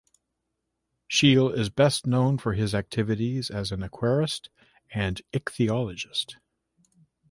Scheel is best known for his activities as an aquarist and ichthyologist.